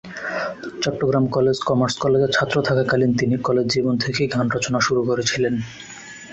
Chittagong college commerce কলেজের ছাত্র থাকাকালীন তিনি কলেজ জীবন থেকেই গান রচনা শুরু করেছিলেন।